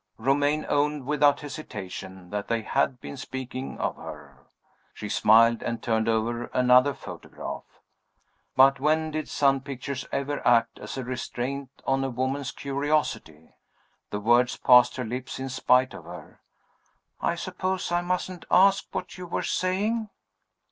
Romayne owned without hesitation that they had been speaking of her. She smiled and turned over another photograph. But when did sun pictures ever act as a restraint on a woman's curiosity? The words passed her lips in spite of her. "I suppose I mustn't ask what you were saying?"